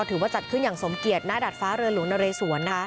ถือว่าจัดขึ้นอย่างสมเกียจหน้าดาดฟ้าเรือหลวงนเรสวน